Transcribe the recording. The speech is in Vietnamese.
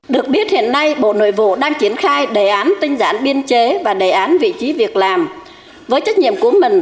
được biết hiện nay bộ nội vụ đang triển khai đề án tinh giản biên chế và đề án vị trí việc làm